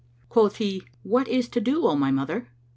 Quoth he, "What is to do, O my mother?"